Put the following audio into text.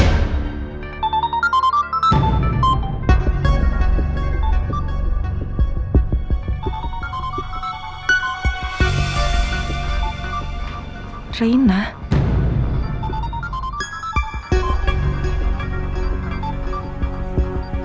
aku gak bisa ketemu mama lagi